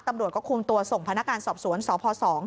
ตำรวจก็คุมตัวส่งพนักงานสอบสวนสพ๒